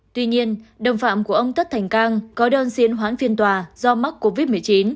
tuy nhiên đồng phạm của ông tất thành cang có đơn xin hoãn phiên tòa do mắc covid một mươi chín